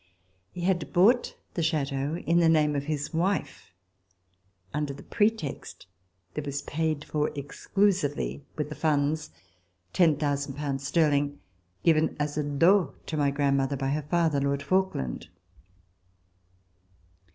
He had bought the chateau in the name of his wife, under the pretext that it was paid for exclusively with the funds — 10,000 pounds sterling — given as a dot to my grandmother by her father, Lord Falkland.